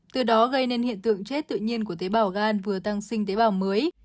từ đó gây nên hiện tượng chết tự nhiên của tế bào gan vừa tăng sinh tế bào mới